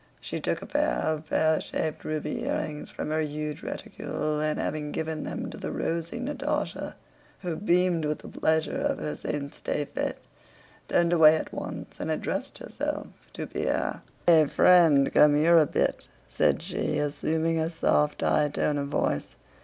She took a pair of pear shaped ruby earrings from her huge reticule and, having given them to the rosy Natásha, who beamed with the pleasure of her saint's day fete, turned away at once and addressed herself to Pierre. "Eh, eh, friend! Come here a bit," said she, assuming a soft high tone of voice.